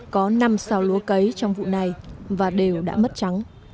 có năm sao lúa cấy trong vụ này và đều đã mất trắng